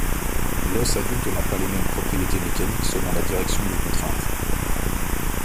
L'os adulte n'a pas les mêmes propriétés mécaniques selon la direction des contraintes.